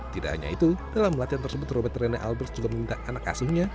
tidak hanya itu dalam latihan tersebut robert rene albert juga meminta anak asuhnya